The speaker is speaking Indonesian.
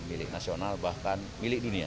milik nasional bahkan milik dunia